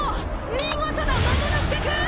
見事だモモの助君！